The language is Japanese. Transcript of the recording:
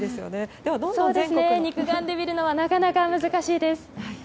肉眼で見るのはなかなか難しいです。